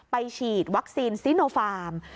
ฉีดวัคซีนซิโนฟาร์ม